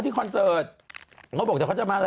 แต่ต้องคิดว่าคุณแม่จริงละ